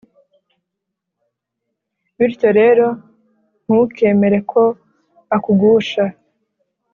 Bityo rero ntukemere ko akugusha